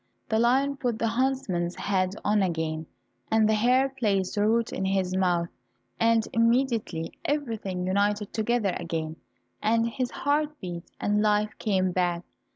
The lion put the huntsman's head on again, and the hare placed the root in his mouth, and immediately everything united together again, and his heart beat, and life came back.